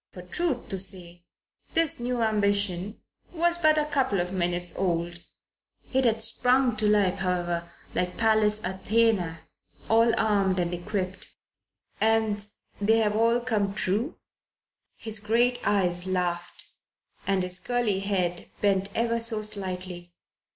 For, truth to say, this new ambition was but a couple of minutes old. It had sprung into life, however, like Pallas Athene, all armed and equipped. "And they have all come true?" His great eyes laughed and his curly head bent ever so slightly.